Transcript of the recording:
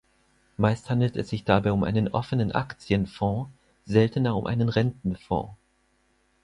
Meist handelt es sich dabei um einen offenen Aktienfonds, seltener um einen Rentenfonds.